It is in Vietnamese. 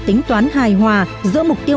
tính toán hài hòa giữa mục tiêu